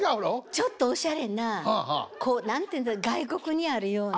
ちょっとおしゃれなこう何て言うんですか外国にあるような。